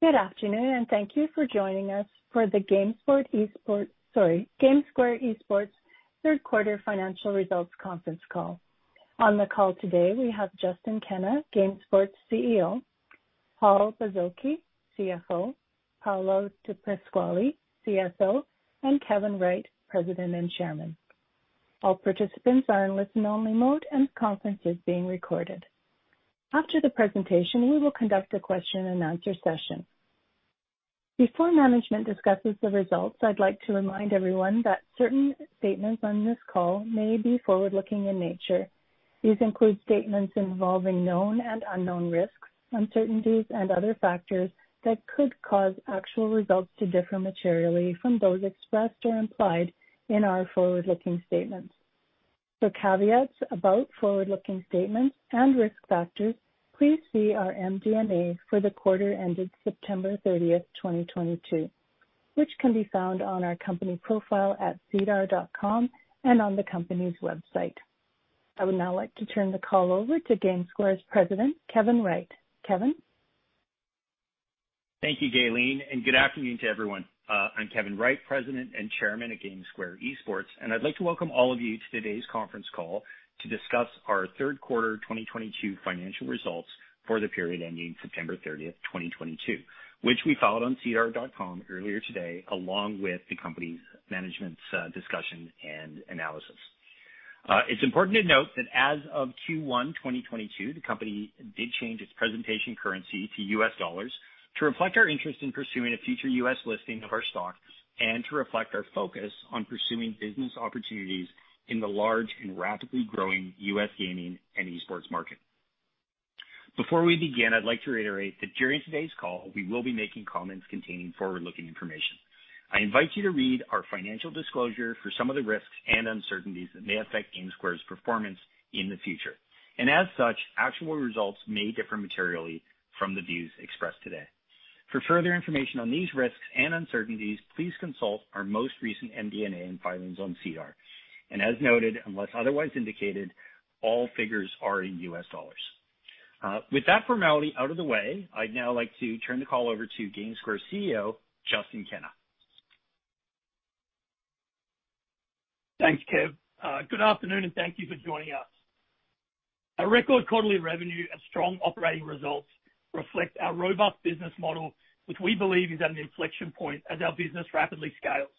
Good afternoon and thank you for joining us for the GameSquare Esports Q3 financial results conference call. On the call today, we have Justin Kenna, GameSquare CEO, Paul Bozoki, CFO, Paolo DiPasquale, CSO, and Kevin Wright, President and Chairman. All participants are in listen-only mode, and the conference is being recorded. After the presentation, we will conduct a question-and-answer session. Before management discusses the results, I'd like to remind everyone that certain statements on this call may be forward-looking in nature. These include statements involving known and unknown risks, uncertainties, and other factors that could cause actual results to differ materially from those expressed or implied in our forward-looking statements. For caveats about forward-looking statements and risk factors, please see our MD&A for the quarter ended September 30, 2022, which can be found on our company profile at SEDAR.com and on the company's website. I would now like to turn the call over to GameSquare's President, Kevin Wright. Kevin? Thank you, Gaylene, and good afternoon to everyone. I'm Kevin Wright, President and Chairman at GameSquare Esports, and I'd like to welcome all of you to today's conference call to discuss our Q3 2022 financial results for the period ending 30 September 2022, which we filed on SEDAR.com earlier today, along with the company's management's discussion and analysis. It's important to note that as of Q1 2022, the company did change its presentation currency to U.S. dollars to reflect our interest in pursuing a future U.S. listing of our stocks and to reflect our focus on pursuing business opportunities in the large and rapidly growing U.S. gaming and esports market. Before we begin, I'd like to reiterate that during today's call, we will be making comments containing forward-looking information. I invite you to read our financial disclosure for some of the risks and uncertainties that may affect GameSquare's performance in the future. As such, actual results may differ materially from the views expressed today. For further information on these risks and uncertainties, please consult our most recent MD&A and filings on SEDAR. As noted, unless otherwise indicated, all figures are in U.S. dollars. With that formality out of the way, I'd now like to turn the call over to GameSquare CEO, Justin Kenna. Thanks, Kev. Good afternoon and thank you for joining us. Our record quarterly revenue and strong operating results reflect our robust business model, which we believe is at an inflection point as our business rapidly scales.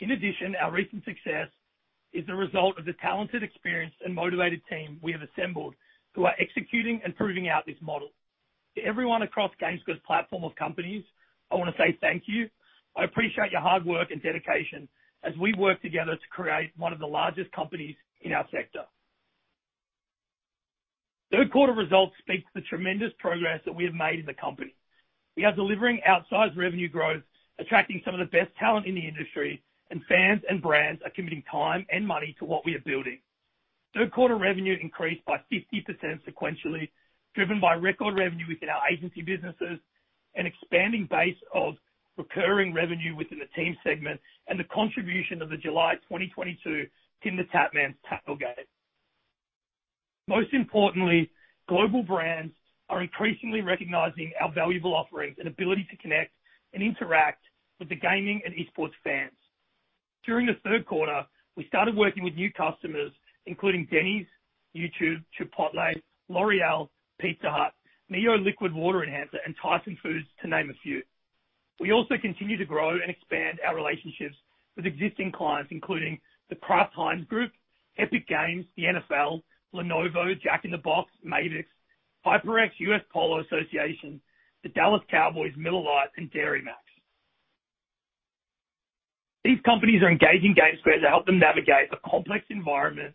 In addition, our recent success is the result of the talented, experienced, and motivated team we have assembled who are executing and proving out this model. To everyone across GameSquare's platform of companies, I wanna say thank you. I appreciate your hard work and dedication as we work together to create one of the largest companies in our sector. Q3 results speak to the tremendous progress that we have made in the company. We are delivering outsized revenue growth, attracting some of the best talent in the industry, and fans and brands are committing time and money to what we are building. Q3 revenue increased by 50% sequentially, driven by record revenue within our agency businesses, an expanding base of recurring revenue within the team segment, and the contribution of the July 2022 TimTheTatman's Tailgate. Most importantly, global brands are increasingly recognizing our valuable offerings and ability to connect and interact with the gaming and esports fans. During the Q3, we started working with new customers, including Denny's, YouTube, Chipotle, L'Oréal, Pizza Hut, MiO Liquid Water Enhancer, and Tyson Foods, to name a few. We also continue to grow and expand our relationships with existing clients, including The Kraft Heinz Company, Epic Games, the NFL, Lenovo, Jack in the Box, Mavix, HyperX, U.S. Polo Assn., the Dallas Cowboys, Miller Lite, and Dairy MAX. These companies are engaging GameSquare to help them navigate a complex environment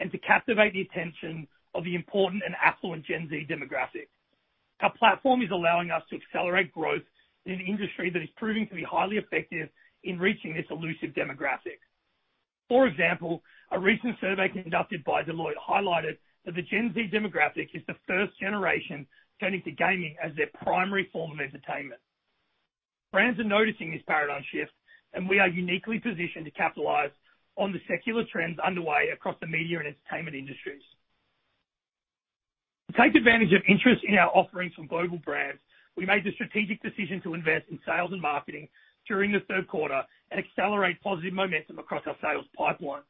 and to captivate the attention of the important and affluent Gen Z demographic. Our platform is allowing us to accelerate growth in an industry that is proving to be highly effective in reaching this elusive demographic. For example, a recent survey conducted by Deloitte highlighted that the Gen Z demographic is the first generation turning to gaming as their primary form of entertainment. Brands are noticing this paradigm shift, and we are uniquely positioned to capitalize on the secular trends underway across the media and entertainment industries. To take advantage of interest in our offerings from global brands, we made the strategic decision to invest in sales and marketing during the Q3 and accelerate positive momentum across our sales pipeline.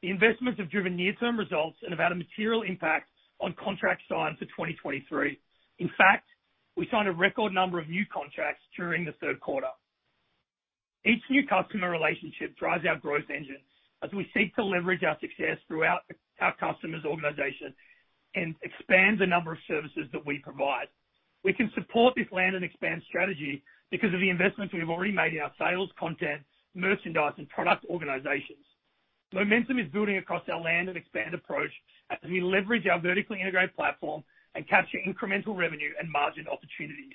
The investments have driven near-term results and have had a material impact on contract signs for 2023. In fact, we signed a record number of new contracts during the Q3. Each new customer relationship drives our growth engine as we seek to leverage our success throughout our customers' organization and expand the number of services that we provide. We can support this land and expand strategy because of the investments we have already made in our sales, content, merchandise, and product organizations. Momentum is building across our land and expand approach as we leverage our vertically integrated platform and capture incremental revenue and margin opportunities.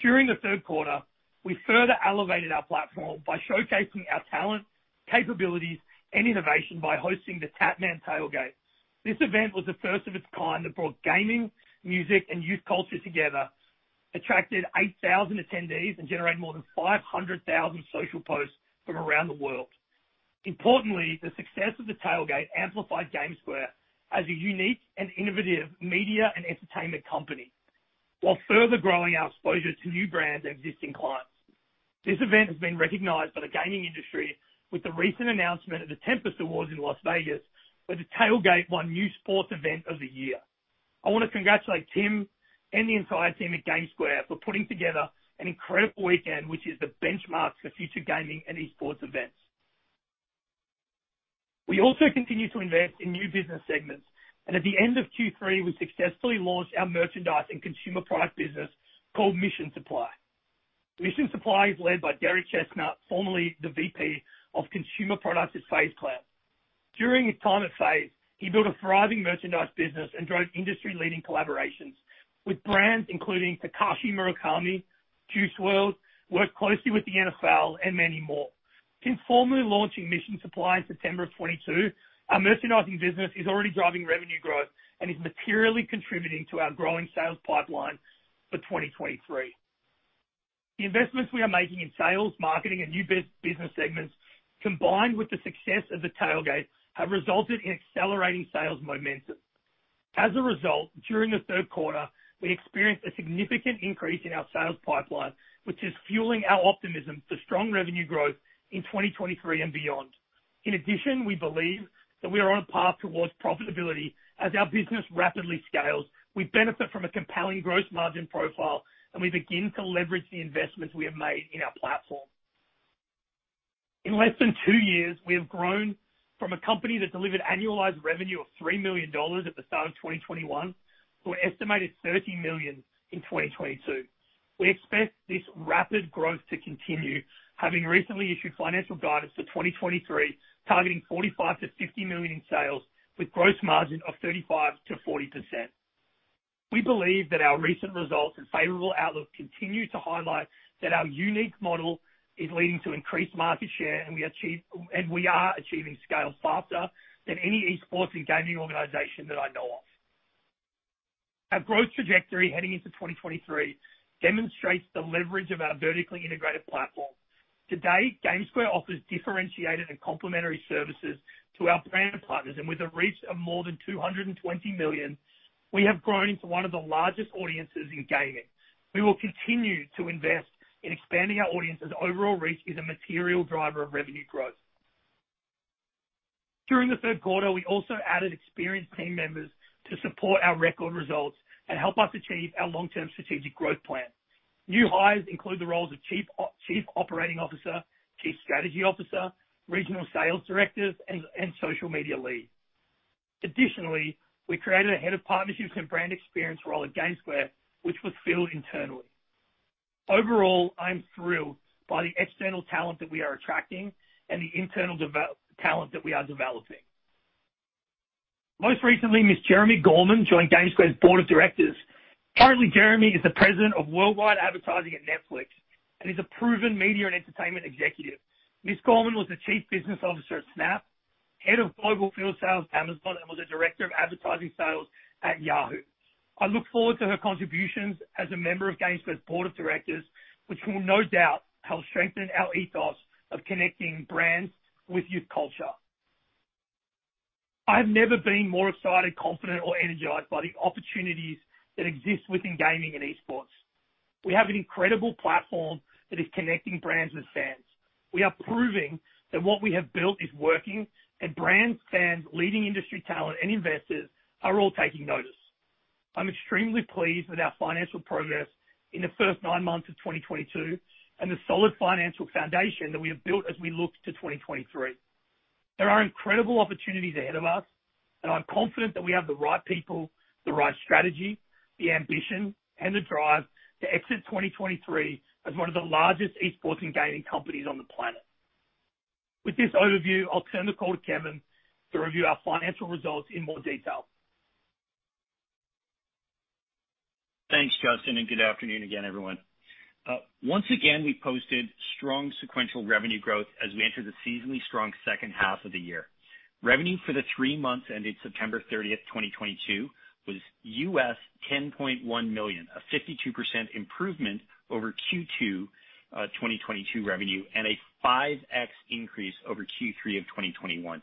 During the Q3, we further elevated our platform by showcasing our talent, capabilities, and innovation by hosting the TimTheTatman's Tailgate. This event was the first of its kind that brought gaming, music, and youth culture together. Attracted 8,000 attendees and generated more than 500,000 social posts from around the world. Importantly, the success of the Tailgate amplified GameSquare as a unique and innovative media and entertainment company, while further growing our exposure to new brands and existing clients. This event has been recognized by the gaming industry with the recent announcement at the Tempest Awards in Las Vegas, where the Tailgate won New Sports Event of the Year. I want to congratulate Tim and the entire team at GameSquare for putting together an incredible weekend, which is the benchmark for future gaming and esports events. We also continue to invest in new business segments, and at the end of Q3, we successfully launched our merchandise and consumer product business called Mission Supply. Mission Supply is led by Derek Chestnut, formerly the VP of Consumer Products at FaZe Clan. During his time at FaZe, he built a thriving merchandise business and drove industry-leading collaborations with brands including Takashi Murakami, Juice WRLD, worked closely with the NFL and many more. Since formally launching Mission Supply in September of 2022, our merchandising business is already driving revenue growth and is materially contributing to our growing sales pipeline for 2023. The investments we are making in sales, marketing and new business segments, combined with the success of the Tailgate, have resulted in accelerating sales momentum. As a result, during the Q3, we experienced a significant increase in our sales pipeline, which is fueling our optimism for strong revenue growth in 2023 and beyond. In addition, we believe that we are on a path towards profitability as our business rapidly scales. We benefit from a compelling gross margin profile, and we begin to leverage the investments we have made in our platform. In less than two years, we have grown from a company that delivered annualized revenue of $3 million at the start of 2021 to an estimated $30 million in 2022. We expect this rapid growth to continue, having recently issued financial guidance for 2023, targeting $45 to 50 million in sales with gross margin of 35 to 40%. We believe that our recent results and favorable outlook continue to highlight that our unique model is leading to increased market share, and we are achieving scale faster than any esports and gaming organization that I know of. Our growth trajectory heading into 2023 demonstrates the leverage of our vertically integrated platform. Today, GameSquare offers differentiated and complementary services to our brand partners, and with a reach of more than 220 million, we have grown into one of the largest audiences in gaming. We will continue to invest in expanding our audience as overall reach is a material driver of revenue growth. During the Q3, we also added experienced team members to support our record results and help us achieve our long-term strategic growth plan. New hires include the roles of Chief Operating Officer, Chief Strategy Officer, Regional Sales Director, and Social Media Lead. Additionally, we created a Head of Partnerships and Brand Experience role at GameSquare, which was filled internally. Overall, I'm thrilled by the external talent that we are attracting and the internal talent that we are developing. Most recently, Ms. Jeremi Gorman joined GameSquare's Board of Directors. Currently, Jeremi Gorman is the President of Worldwide Advertising at Netflix and is a proven media and entertainment executive. Ms. Gorman was the Chief Business Officer at Snap, Head of Global Field Sales at Amazon, and was a Director of Advertising Sales at Yahoo. I look forward to her contributions as a member of GameSquare's Board of Directors, which will no doubt help strengthen our ethos of connecting brands with youth culture. I have never been more excited, confident, or energized by the opportunities that exist within gaming and esports. We have an incredible platform that is connecting brands with fans. We are proving that what we have built is working, and brands, fans, leading industry talent, and investors are all taking notice. I'm extremely pleased with our financial progress in the first nine months of 2022 and the solid financial foundation that we have built as we look to 2023. There are incredible opportunities ahead of us, and I'm confident that we have the right people, the right strategy, the ambition, and the drive to exit 2023 as one of the largest esports and gaming companies on the planet. With this overview, I'll turn the call to Kevin to review our financial results in more detail. Thanks, Justin, and good afternoon again, everyone. Once again, we posted strong sequential revenue growth as we enter the seasonally strong H2 of the year. Revenue for the three months ending 30 September 2022 was $10.1 million, a 52% improvement over Q2 2022 revenue and a 5x increase over Q3 of 2021.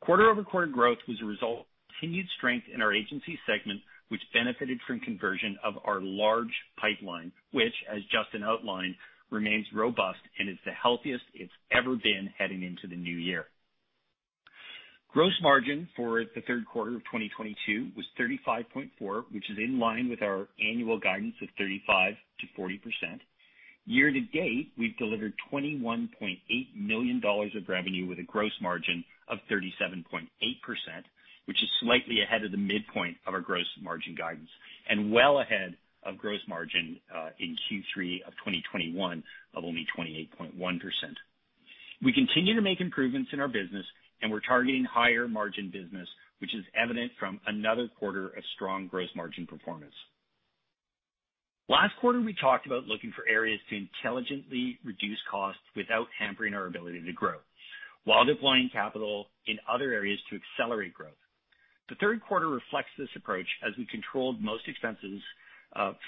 Quarter-over-quarter growth was a result of continued strength in our agency segment, which benefited from conversion of our large pipeline, which, as Justin outlined, remains robust and is the healthiest it's ever been heading into the new year. Gross margin for the Q3 of 2022 was 35.4%, which is in line with our annual guidance of 35 to 40%. Year to date, we've delivered $21.8 million of revenue with a gross margin of 37.8%, which is slightly ahead of the midpoint of our gross margin guidance and well ahead of gross margin in Q3 of 2021 of only 28.1%. We continue to make improvements in our business, and we're targeting higher margin business, which is evident from another quarter of strong gross margin performance. Last quarter, we talked about looking for areas to intelligently reduce costs without hampering our ability to grow while deploying capital in other areas to accelerate growth. The Q3 reflects this approach as we controlled most expenses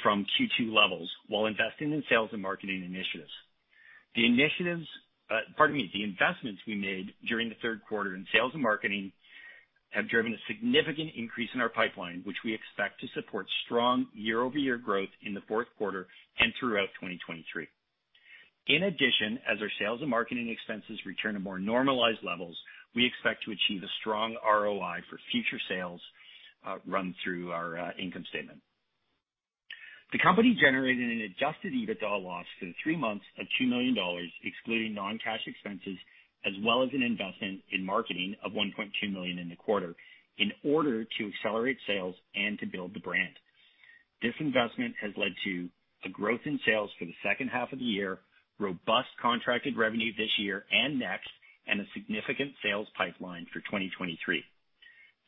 from Q2 levels while investing in sales and marketing initiatives. The investments we made during the Q3 in sales and marketing have driven a significant increase in our pipeline, which we expect to support strong year-over-year growth in the Q4 and throughout 2023. In addition, as our sales and marketing expenses return to more normalized levels, we expect to achieve a strong ROI for future sales run through our income statement. The company generated an adjusted EBITDA loss for the three months of $2 million, excluding non-cash expenses, as well as an investment in marketing of $1.2 million in the quarter in order to accelerate sales and to build the brand. This investment has led to a growth in sales for the H2 of the year, robust contracted revenue this year and next, and a significant sales pipeline for 2023.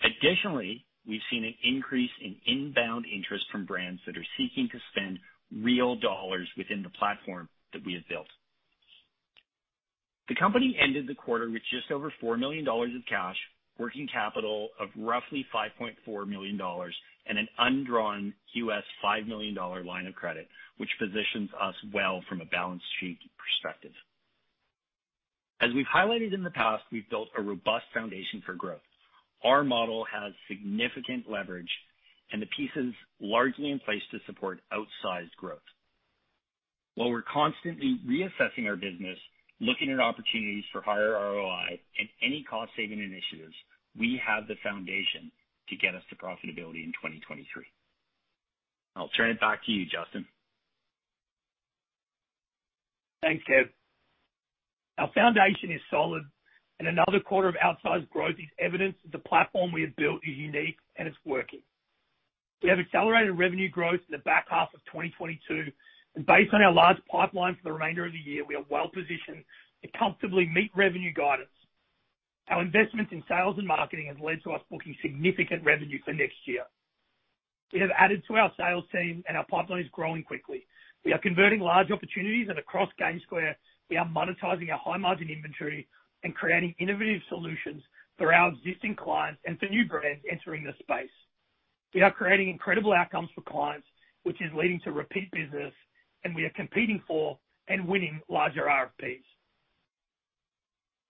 Additionally, we've seen an increase in inbound interest from brands that are seeking to spend real dollars within the platform that we have built. The company ended the quarter with just over $4 million in cash, working capital of roughly $5.4 million and an undrawn $5 million line of credit, which positions us well from a balance sheet perspective. As we've highlighted in the past, we've built a robust foundation for growth. Our model has significant leverage and the pieces largely in place to support outsized growth. While we're constantly reassessing our business, looking at opportunities for higher ROI and any cost-saving initiatives, we have the foundation to get us to profitability in 2023. I'll turn it back to you, Justin. Thanks, Kev. Our foundation is solid and another quarter of outsized growth is evidence that the platform we have built is unique and it's working. We have accelerated revenue growth in the back half of 2022 and based on our large pipeline for the remainder of the year, we are well positioned to comfortably meet revenue guidance. Our investments in sales and marketing has led to us booking significant revenue for next year. We have added to our sales team and our pipeline is growing quickly. We are converting large opportunities, and across GameSquare, we are monetizing our high-margin inventory and creating innovative solutions for our existing clients and for new brands entering the space. We are creating incredible outcomes for clients, which is leading to repeat business, and we are competing for and winning larger RFPs.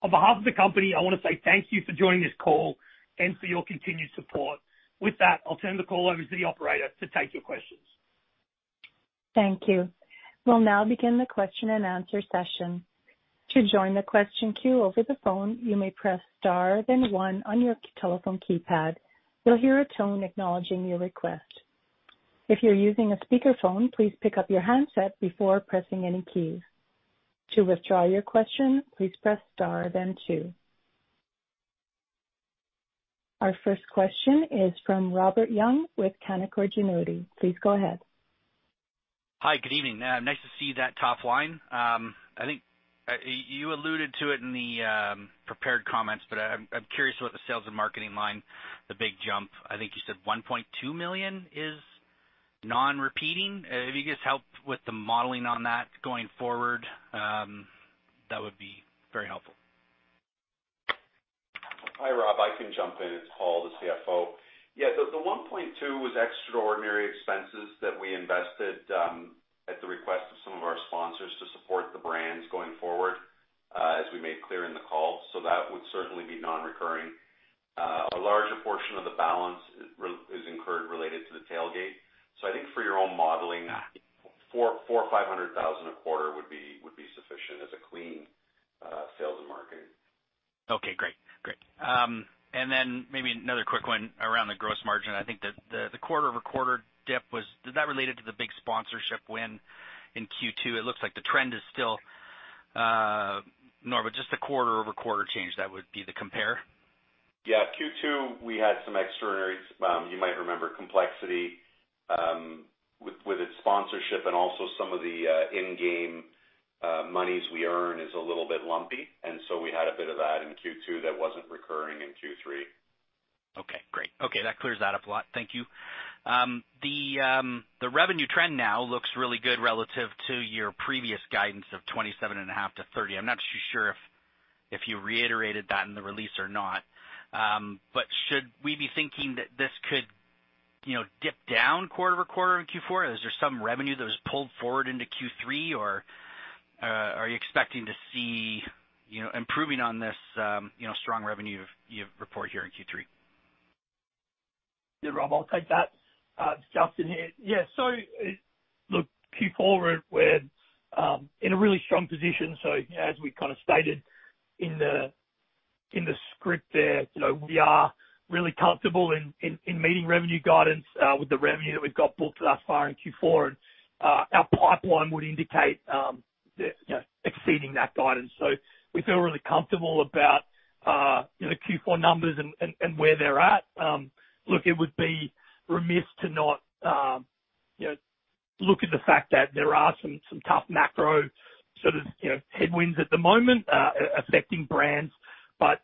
On behalf of the company, I wanna say thank you for joining this call and for your continued support. With that, I'll turn the call over to the operator to take your questions. Thank you. We'll now begin the question-and-answer session. To join the question queue over the phone, you may press star, then one on your telephone keypad. You'll hear a tone acknowledging your request. If you're using a speakerphone, please pick up your handset before pressing any keys. To withdraw your question, please press star, then two. Our first question is from Robert Young with Canaccord Genuity. Please go ahead. Hi. Good evening. Nice to see that top line. I think you alluded to it in the prepared comments, but I'm curious about the sales and marketing line, the big jump. I think you said $1.2 million is non-repeating. If you could just help with the modeling on that going forward, that would be very helpful. Hi, Rob. I can jump in. It's Paul, the CFO. Yeah. The $1.2 was extraordinary expenses that we invested at the request of some of our sponsors to support the brands going forward, as we made clear in the call. That would certainly be non-recurring. A larger portion of the balance is incurred related to the Tailgate. I think for your own modeling, $400,000 or $500,000 a quarter would be sufficient as a clean sales and marketing. Okay, great. Maybe another quick one around the gross margin. Is that related to the big sponsorship win in Q2? It looks like the trend is still normal, just the quarter-over-quarter change that would be the compare. Q2, we had some extraordinaries. You might remember Complexity with its sponsorship and also some of the in-game monies we earn is a little bit lumpy. We had a bit of that in Q2 that wasn't recurring in Q3. Okay, great. Okay. That clears that up a lot. Thank you. The revenue trend now looks really good relative to your previous guidance of $27.5 to 30. I'm not too sure if you reiterated that in the release or not. Should we be thinking that this could, you know, dip down quarter-over-quarter in Q4? Is there some revenue that was pulled forward into Q3 or are you expecting to see, you know, improving on this, you know, strong revenue you report here in Q3? Yeah, Rob, I'll take that. It's Justin here. Yeah. Look, Q4, we're in a really strong position. As we kind of stated in the script there, you know, we are really comfortable in meeting revenue guidance with the revenue that we've got booked thus far in Q4. Our pipeline would indicate you know, exceeding that guidance. We feel really comfortable about you know, Q4 numbers and where they're at. Look, it would be remiss to not you know, look at the fact that there are some tough macro sort of you know, headwinds at the moment affecting brands.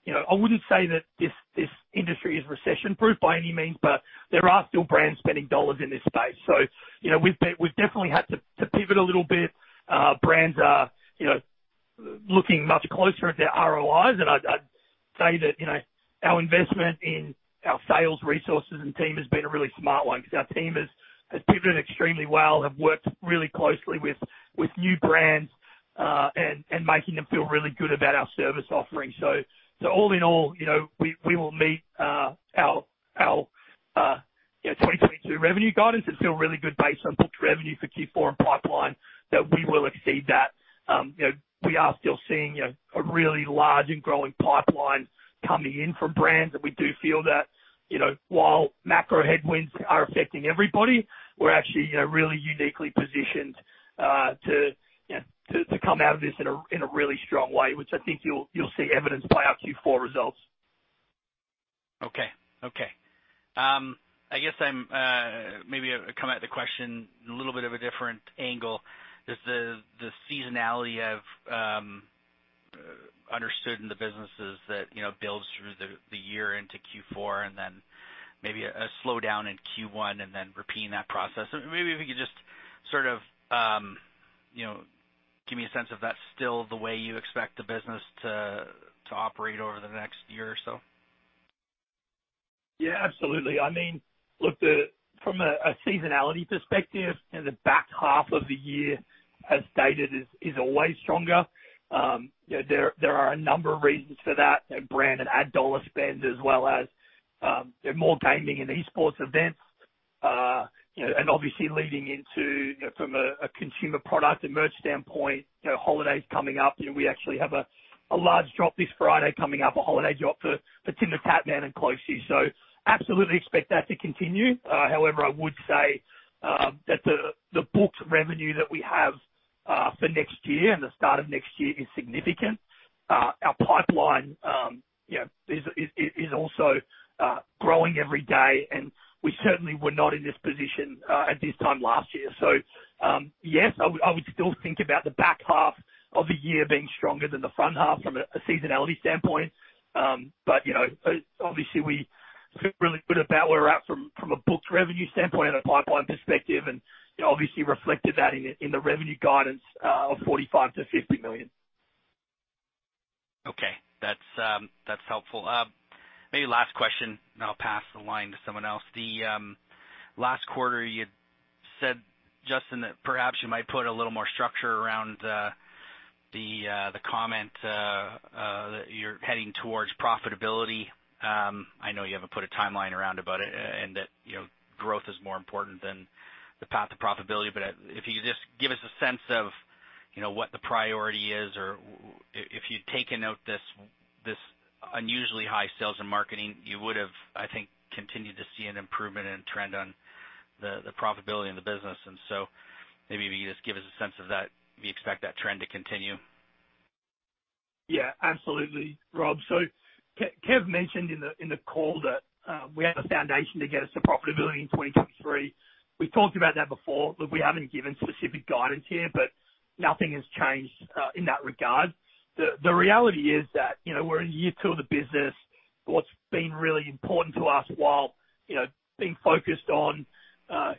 You know, I wouldn't say that this industry is recession-proof by any means, but there are still brands spending dollars in this space. We've definitely had to pivot a little bit. Brands are, you know, looking much closer at their ROIs. I'd say that, you know, our investment in our sales resources and team has been a really smart one because our team has pivoted extremely well, have worked really closely with new brands and making them feel really good about our service offering. All in all, you know, we will meet our 2022 revenue guidance and feel really good based on booked revenue for Q4 and pipeline that we will exceed that. You know, we are still seeing a really large and growing pipeline coming in from brands. We do feel that, you know, while macro headwinds are affecting everybody, we're actually, you know, really uniquely positioned to come out of this in a really strong way, which I think you'll see evidenced by our Q4 results. Okay. I guess I'm maybe coming at the question in a little bit of a different angle. Is the seasonality understood in the businesses that, you know, builds through the year into Q4 and then maybe a slowdown in Q1 and then repeating that process. Maybe if you could just sort of, you know, give me a sense if that's still the way you expect the business to operate over the next year or so. Yeah, absolutely. I mean, look, from a seasonality perspective, in the back half of the year, as stated, is always stronger. You know, there are a number of reasons for that. Brand and ad dollar spend, as well as more gaming and esports events. You know and obviously leading into from a consumer product and merch standpoint, you know, holidays coming up. You know, we actually have a large drop this Friday coming up, a holiday drop for TimTheTatman and Code Red. Absolutely expect that to continue. However, I would say, that the booked revenue that we have, for next year and the start of next year is significant. Our pipeline, you know, is also growing every day, and we certainly were not in this position at this time last year. Yes, I would still think about the back half of the year being stronger than the front half from a seasonality standpoint. You know, obviously, we feel really good about where we're at from a booked revenue standpoint and a pipeline perspective and obviously reflected that in the revenue guidance of $45 to 50 million. Okay. That's helpful. Maybe last question, and I'll pass the line to someone else. The last quarter, you said, Justin, that perhaps you might put a little more structure around the comment that you're heading towards profitability. I know you haven't put a timeline around about it and that, you know, growth is more important than the path to profitability. If you could just give us a sense of, you know, what the priority is, or if you'd taken out this unusually high sales and marketing, you would have, I think, continued to see an improvement in trend on the profitability in the business. Maybe if you could just give us a sense of that, we expect that trend to continue. Yeah, absolutely, Rob. Kev mentioned in the call that we have a foundation to get us to profitability in 2023. We've talked about that before. Look, we haven't given specific guidance here, but nothing has changed in that regard. The reality is that, you know, we're in year two of the business. What's been really important to us while, you know, being focused on,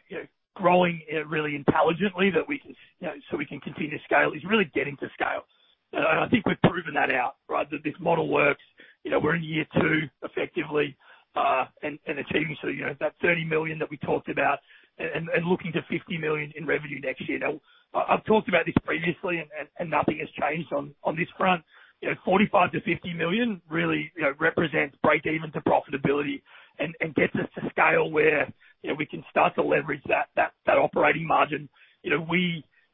you know, growing really intelligently, that we can, you know, so we can continue to scale is really getting to scale. I think we've proven that out, right? That this model works. You know, we're in year two effectively and achieving. You know, that $30 million that we talked about and looking to $50 million in revenue next year. I've talked about this previously and nothing has changed on this front. You know, $45 to 50 million really, you know, represents breakeven to profitability and gets us to scale where, you know, we can start to leverage that operating margin. You know,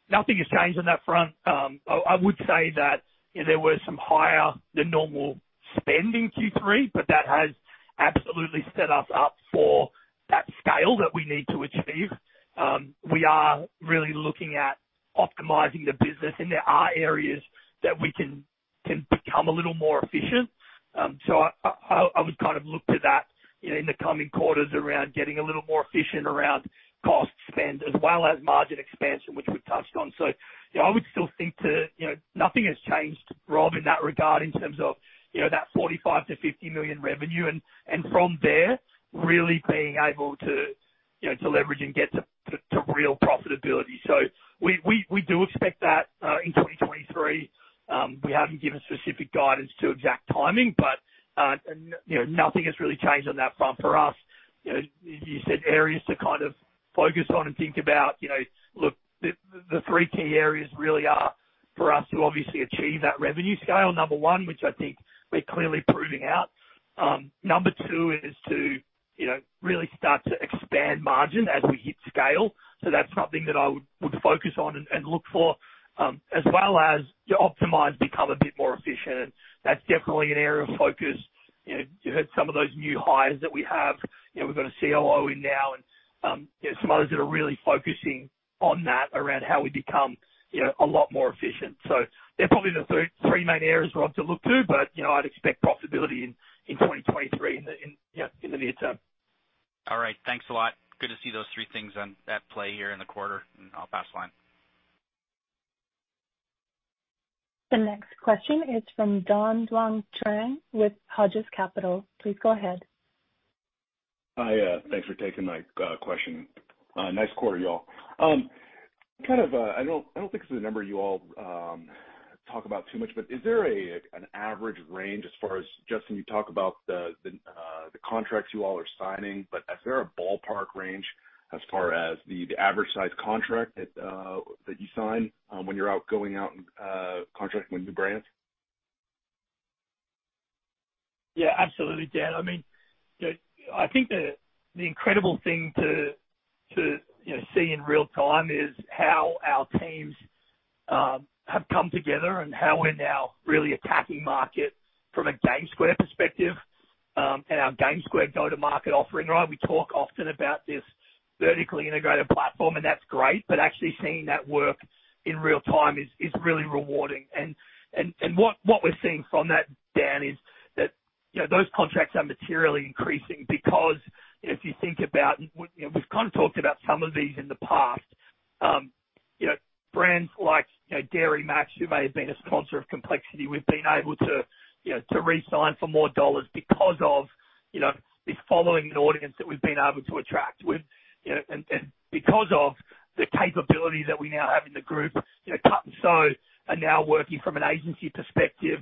nothing has changed on that front. I would say that, you know, there was some higher than normal spend in Q3, but that has absolutely set us up for that scale that we need to achieve. We are really looking at optimizing the business, and there are areas that we can become a little more efficient. I would kind of look to that, you know, in the coming quarters around getting a little more efficient around cost spend as well as margin expansion, which we've touched on. You know, I would still think too, nothing has changed, Rob, in that regard in terms of, you know, that $45 to 50 million revenue. And from there, really being able to, you know, to leverage and get to real profitability. We do expect that in 2023. We haven't given specific guidance to exact timing, but, and you know, nothing has really changed on that front for us. You know, you said areas to kind of focus on and think about. You know, look, the three key areas really are for us to obviously achieve that revenue scale, number one, which I think we're clearly proving out. Number two is to, you know, really start to expand margin as we hit scale. That's something that I would focus on and look for, as well as optimize, become a bit more efficient. That's definitely an area of focus. You know, you heard some of those new hires that we have. You know, we've got a COO in now and, you know, some others that are really focusing on that, around how we become, you know, a lot more efficient. They're probably the three main areas, Rob, to look to. You know, I'd expect profitability in 2023 in the near term. All right. Thanks a lot. Good to see those three things on at play here in the quarter, and I'll pass the line. The next question is from David Dang Trang with Hodges Capital. Please go ahead. Hi, thanks for taking my question. Nice quarter y'all. Kind of, I don't think this is a number you all talk about too much, but is there an average range as far as, Justin, you talk about the contracts you all are signing, but is there a ballpark range as far as the average size contract that you sign, when you're out and contracting with new brands? Yeah, absolutely, Dan. I mean, you know, I think the incredible thing to you know see in real time is how our teams have come together and how we're now really attacking market from a GameSquare perspective and our GameSquare go-to-market offering. Right? We talk often about this vertically integrated platform, and that's great, but actually seeing that work in real time is really rewarding. What we're seeing from that, Dan, is that you know those contracts are materially increasing because if you think about we you know we've kind of talked about some of these in the past. You know, brands like, you know, Dairy MAX, who may have been a sponsor of Complexity, we've been able to, you know, to re-sign for more dollars because of, you know, this following an audience that we've been able to attract with. You know, and because of the capability that we now have in the group. You know, Code Red are now working from an agency perspective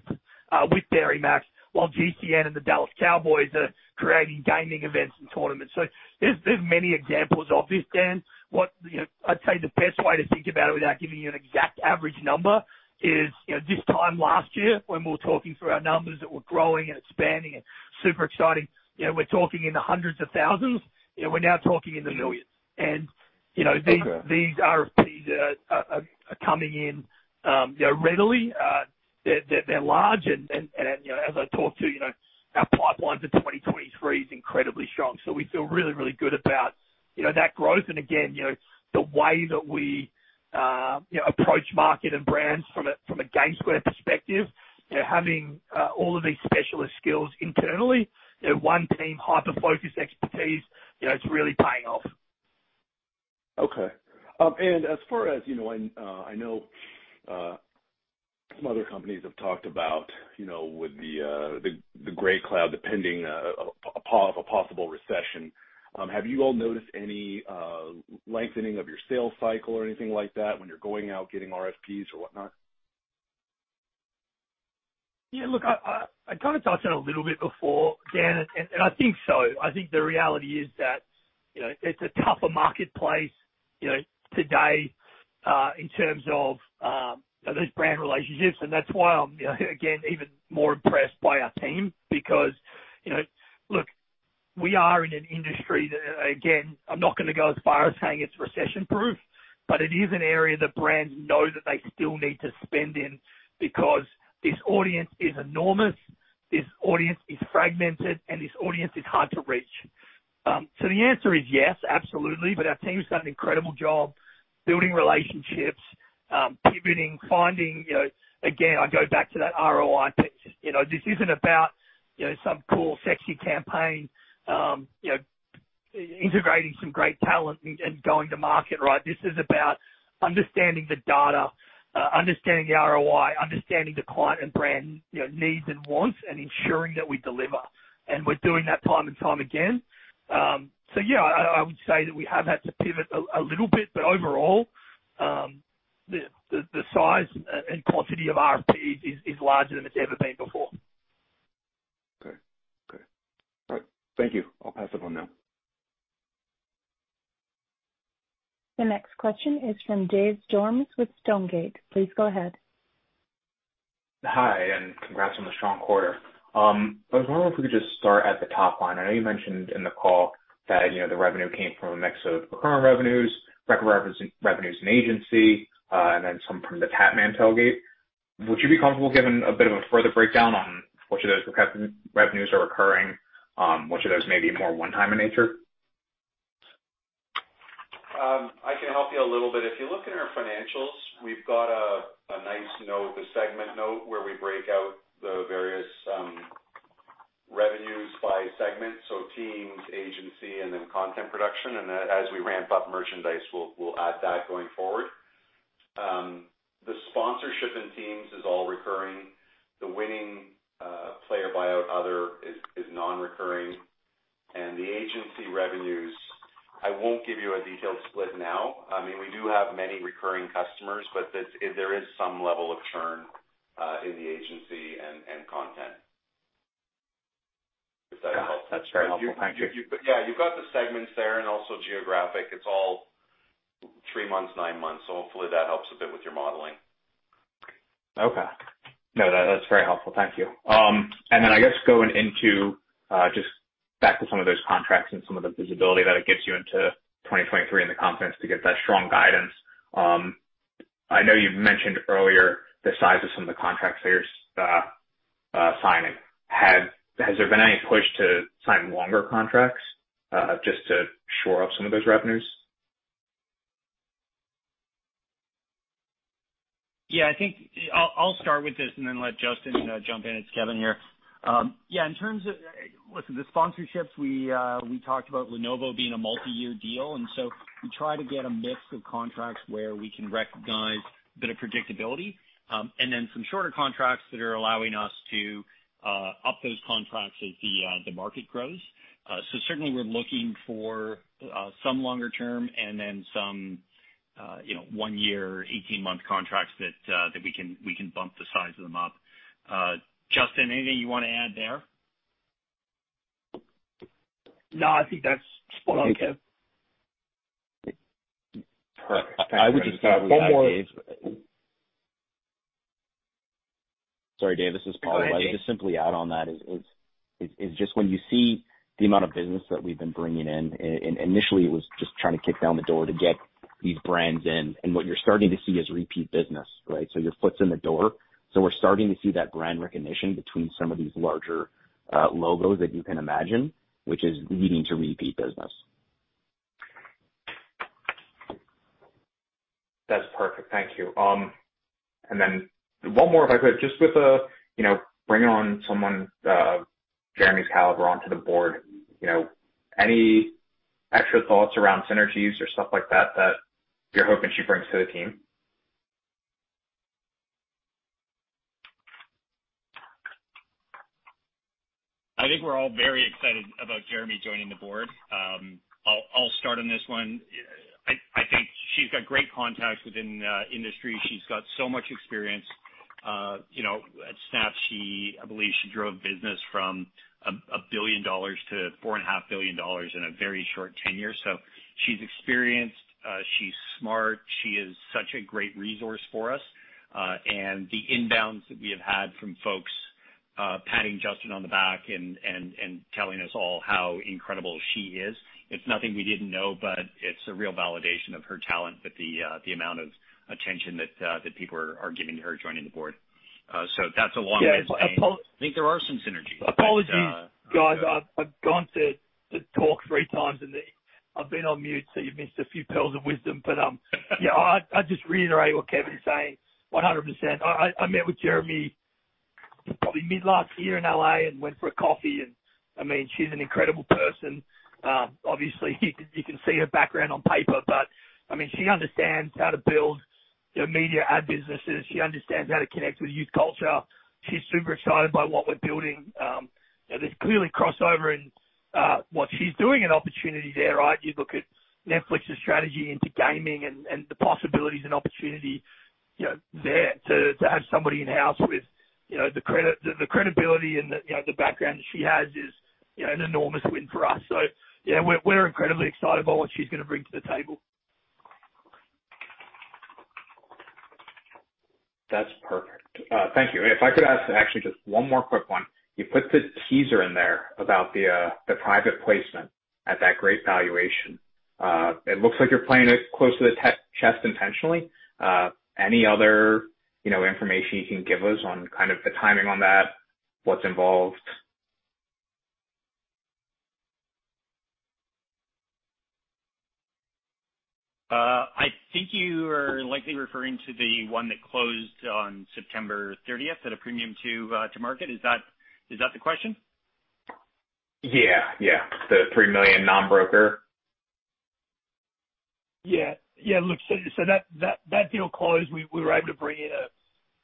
with Dairy MAX, while GCN and the Dallas Cowboys are creating gaming events and tournaments. So there's many examples of this, Dan. What, you know, I'd say the best way to think about it without giving you an exact average number is, you know, this time last year when we were talking through our numbers that we're growing and expanding and super exciting. You know, we're talking in the hundreds of thousands. You know, we're now talking in the millions. You know- Okay. These RFPs are coming in, you know, readily. They're large and, you know, as I talked to, you know, our pipelines of 2023 is incredibly strong, so we feel really good about, you know, that growth. Again, you know, the way that we, you know, approach market and brands from a GameSquare perspective, you know, having all of these specialist skills internally, you know, one team hyper-focused expertise, you know, it's really paying off. Okay. As far as you know, and I know some other companies have talked about, you know, with the gray cloud, the pending a possible recession. Have you all noticed any lengthening of your sales cycle or anything like that when you're going out getting RFPs or whatnot? Yeah, look, I kind of touched on it a little bit before, Dan, and I think so. I think the reality is that, you know, it's a tougher marketplace, you know, today, in terms of, you know, those brand relationships. That's why I'm, you know again, even more impressed by our team because, you know, look, we are in an industry that, again, I'm not gonna go as far as saying it's recession-proof, but it is an area that brands know that they still need to spend in because this audience is enormous, this audience is fragmented, and this audience is hard to reach. The answer is yes, absolutely, but our team's done an incredible job building relationships, pivoting, finding, you know. Again, I go back to that ROI piece. You know, this isn't about, you know, some cool, sexy campaign, integrating some great talent and going to market, right? This is about understanding the data, understanding the ROI, understanding the client and brand, you know, needs and wants, and ensuring that we deliver. We're doing that time and time again. I would say that we have had to pivot a little bit, but overall, the size and quantity of RFPs is larger than it's ever been before. Okay. Okay. All right. Thank you. I'll pass it on now. The next question is from David Storms with Stonegate. Please go ahead. Hi, and congrats on the strong quarter. I was wondering if we could just start at the top line. I know you mentioned in the call that, you know, the revenue came from a mix of recurring revenues, recurring revenues in agency, and then some from the TimTheTatman's Tailgate. Would you be comfortable giving a bit of a further breakdown on which of those recurring revenues are occurring? Which of those may be more one-time in nature? I can help you a little bit. If you look in our financials, we've got a nice note, a segment note where we break out the various revenues by segment. Teams, agency, and then content production. As we ramp up merchandise, we'll add that going forward. The sponsorship in teams is all recurring. The winning player buy-out other is non-recurring. The agency revenues, I won't give you a detailed split now. I mean, we do have many recurring customers, but there is some level of churn in the agency and content. If that helps. That's very helpful. Thank you. You. Yeah, you've got the segments there and also geographic. It's all three months, nine months, so hopefully that helps a bit with your modeling. Okay. No, that's very helpful. Thank you. I guess going into just back to some of those contracts and some of the visibility that it gives you into 2023 and the confidence to give that strong guidance. I know you've mentioned earlier the size of some of the contracts that you're signing. Has there been any push to sign longer contracts just to shore up some of those revenues? Yeah, I think I'll start with this and then let Justin jump in. It's Kevin here. Yeah, in terms of Listen, the sponsorships we talked about Lenovo being a multi-year deal. We try to get a mix of contracts where we can recognize a bit of predictability, and then some shorter contracts that are allowing us to up those contracts as the market grows. Certainly we're looking for some longer term and then some, you know, 1-year, 18-month contracts that we can bump the size of them up. Justin, anything you wanna add there? No, I think that's spot on, Kev. All right. I would just add one more. Dave. Sorry, Dan, this is Paul. Go ahead, Dan. I would just simply add that is just when you see the amount of business that we've been bringing in, and initially it was just trying to kick down the door to get these brands in, and what you're starting to see is repeat business, right? Your foot's in the door. We're starting to see that brand recognition between some of these larger logos that you can imagine, which is leading to repeat business. That's perfect. Thank you. One more, if I could. Just with the, you know, bringing on someone the, Jeremi's caliber onto the board, you know, any extra thoughts around synergies or stuff like that you're hoping she brings to the team? I think we're all very excited about Jeremi joining the board. I'll start on this one. I think she's got great contacts within the industry. She's got so much experience. You know, at Snap, I believe she drove business from $1 to 4.5 billion in a very short tenure. She's experienced, she's smart, she is such a great resource for us. The inbounds that we have had from folks patting Justin on the back and telling us all how incredible she is. It's nothing we didn't know, but it's a real validation of her talent with the amount of attention that people are giving to her joining the board. That's along with Jane. Yeah, I think there are some synergies. Apologies, guys. I've gone to talk three times, and I've been on mute, so you've missed a few pearls of wisdom. Yeah, I'll just reiterate what Kevin's saying 100%. I met with Jeremi probably mid last year in L.A. and went for a coffee. I mean, she's an incredible person. Obviously, you can see her background on paper, but I mean, she understands how to build, you know, media and businesses. She understands how to connect with youth culture. She's super excited by what we're building. You know, there's clearly crossover in what she's doing and opportunity there, right? You look at Netflix's strategy into gaming and the possibilities and opportunity, you know, there. To have somebody in-house with, you know, the credit, the credibility and the, you know, the background that she has is, you know, an enormous win for us. So yeah, we're incredibly excited by what she's gonna bring to the table. That's perfect. Thank you. If I could ask actually just one more quick one. You put the teaser in there about the private placement at that great valuation. It looks like you're playing it close to the vest intentionally. Any other, you know, information you can give us on kind of the timing on that, what's involved? I think you are likely referring to the one that closed on September thirtieth at a premium to market. Is that the question? Yeah. Yeah. The $3 million non-brokered. Yeah. Yeah, look, so that deal closed. We were able to bring in a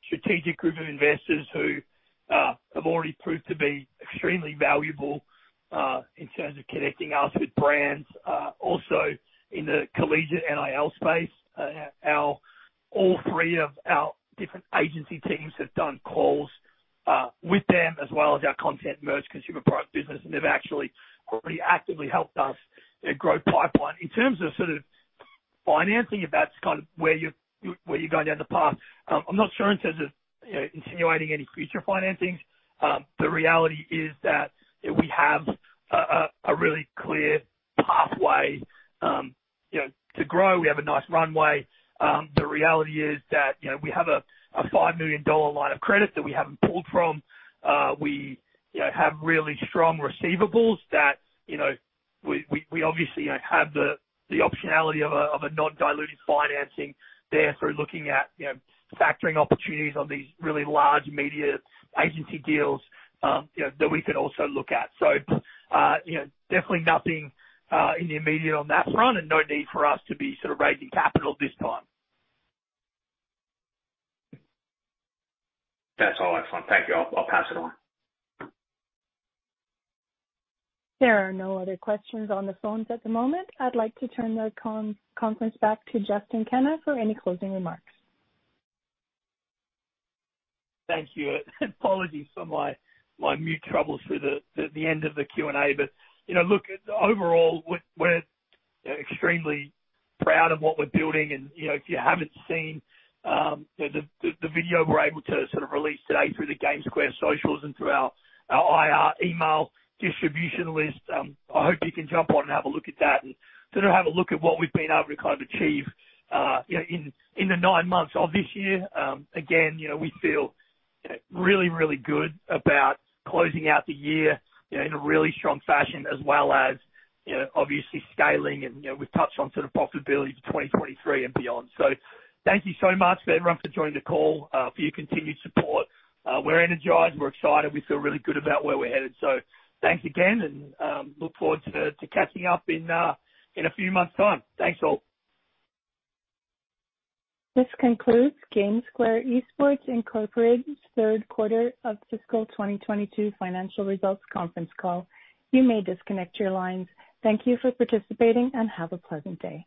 strategic group of investors who have already proved to be extremely valuable in terms of connecting us with brands. Also in the collegiate NIL space, all three of our different agency teams have done calls with them as well as our content merch consumer product business. They've actually already actively helped us to grow pipeline. In terms of sort of financing, if that's kind of where you're going down the path, I'm not sure in terms of, you know, insinuating any future financings. The reality is that, you know, we have a really clear pathway, you know, to grow. We have a nice runway. The reality is that, you know, we have a $5 million line of credit that we haven't pulled from. We, you know, have really strong receivables that, you know, we obviously have the optionality of a non-dilutive financing there through looking at, you know, factoring opportunities on these really large media agency deals, you know, that we could also look at. You know, definitely nothing in the immediate on that front and no need for us to be sort of raising capital at this time. That's all. That's fine. Thank you. I'll pass it on. There are no other questions on the phones at the moment. I'd like to turn the conference back to Justin Kenna for any closing remarks. Thank you. Apologies for my mute troubles through the end of the Q&A. You know, look, overall, we're extremely proud of what we're building. You know, if you haven't seen the video we're able to sort of release today through the GameSquare socials and through our IR email distribution list, I hope you can jump on and have a look at that and sort of have a look at what we've been able to kind of achieve, you know, in the nine months of this year. Again, you know, we feel really good about closing out the year, you know, in a really strong fashion as well as, you know, obviously scaling and, you know, we've touched on sort of possibilities of 2023 and beyond. Thank you so much to everyone for joining the call, for your continued support. We're energized, we're excited, we feel really good about where we're headed. Thanks again and look forward to catching up in a few months' time. Thanks all. This concludes GameSquare Esports Inc.'s Q3 of fiscal 2022 financial results conference call. You may disconnect your lines. Thank you for participating and have a pleasant day.